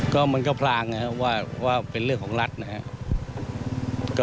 ก็มันก็พลางนะครับว่าเป็นเรื่องของรัฐนะครับ